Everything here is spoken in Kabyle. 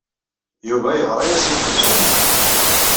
Yuba yeɣra-as i usensu-nni.